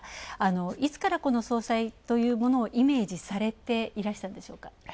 いつからこの総裁というものをイメージされていらしたんでしょうか？